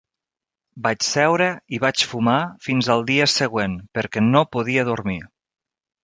Vaig seure i vaig fumar fins al dia següent, perquè no podia dormir.